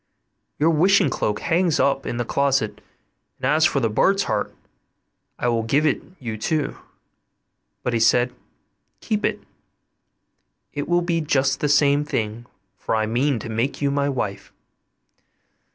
Your wishing cloak hangs up in the closet, and as for the bird's heart, I will give it you too.' But he said, 'Keep it, it will be just the same thing, for I mean to make you my wife.